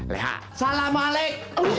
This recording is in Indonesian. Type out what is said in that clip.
leha salam alek